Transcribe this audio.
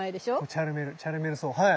チャルメルチャルメルソウはい。